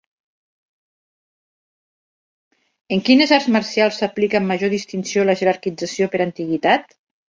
En quines arts marcials s'aplica amb major distinció la jerarquització per antiguitat?